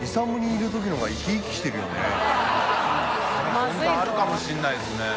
本当あるかもしれないですね。